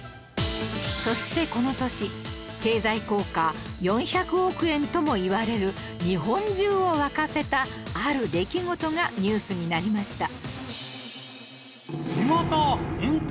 そしてこの年経済効果４００億円ともいわれる日本中を沸かせたある出来事がニュースになりました